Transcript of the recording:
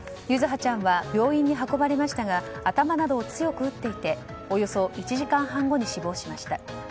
柚葉ちゃんは病院に運ばれましたが頭などを強く打っていておよそ１時間半後に死亡しました。